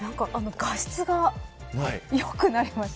画質が良くなりましたね。